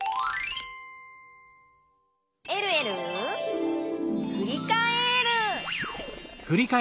「えるえるふりかえる」